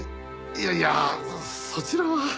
いやいやそちらは。